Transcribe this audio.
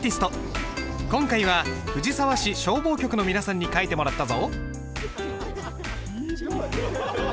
今回は藤沢市消防局の皆さんに書いてもらったぞ。